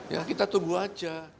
ya kita tunggu aja